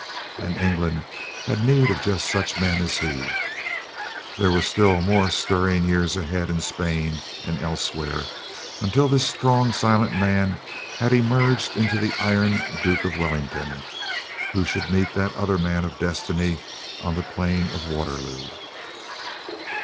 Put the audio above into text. And England had need of just such men as he. There were still more stirring years ahead in Spain and elsewhere, until this strong silent man had emerged into the "Iron" Duke of Wellington, who should meet that other Man of Destiny on the plains of Waterloo.